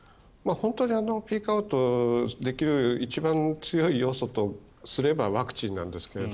ピークアウトできる一番強い要素とすればワクチンなんですけど。